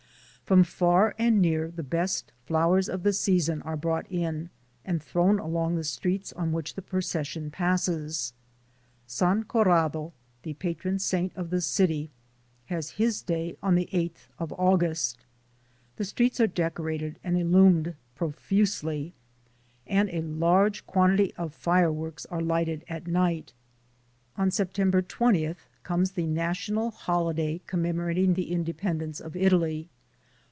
From far and near the best flowers of the season 8 THE SOUL OF AN IMMIGRANT are brought in and thrown along the streets on which the procession passes. San Corrado, the patron saint of the city, has his day on the 8th of August. The streets are decorated and illumined profusely, and a large quantity of fireworks are lighted at night. On September 20th comes the national holiday commemorating the independence of Italy.